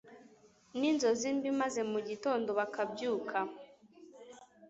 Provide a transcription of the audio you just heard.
n’inzozi mbi, maze mugitondo bakabyuka